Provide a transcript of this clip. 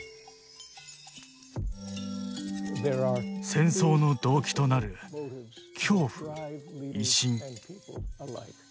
戦争の動機となる恐怖威信。